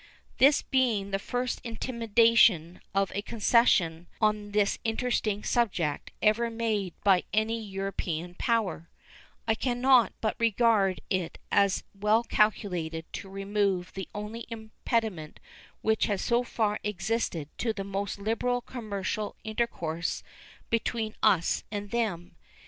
This being the first intimation of a concession on this interesting subject ever made by any European power, I can not but regard it as well calculated to remove the only impediment which has so far existed to the most liberal commercial intercourse between us and them.